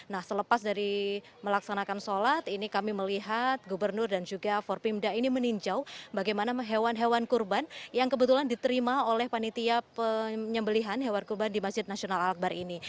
nah selepas dari melaksanakan sholat ini kami melihat gubernur dan juga for pimda ini meninjau bagaimana hewan hewan kurban yang kebetulan diterima oleh panitia penyembelihan hewan kurban di masjid nasional al akbar ini